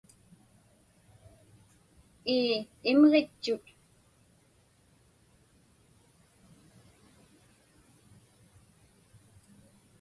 Ii, imġitchut.